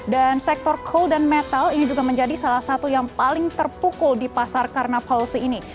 dan sektor coal dan metal ini juga menjadi salah satu yang paling terpukul di pasar karena policy ini